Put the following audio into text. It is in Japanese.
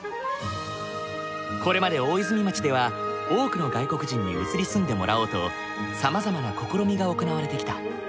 これまで大泉町では多くの外国人に移り住んでもらおうとさまざまな試みが行われてきた。